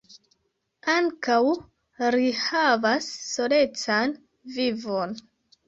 Ankaŭ ri havas solecan vivon.